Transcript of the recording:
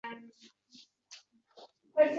U hamisha o‘sha kunni qalbida asradi.